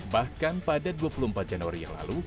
bahkan pada dua puluh empat januari yang lalu